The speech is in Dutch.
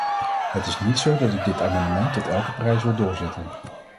Het is niet zo dat ik dit amendement tot elke prijs wil doorzetten.